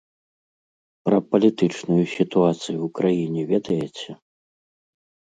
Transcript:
Пра палітычную сітуацыю ў краіне ведаеце?